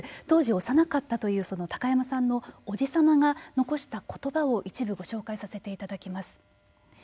当時幼かったという高山さんの叔父様が残したことばを一部ご紹介させていただきます。